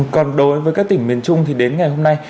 còn đối với các tỉnh miền trung thì đến ngày hôm nay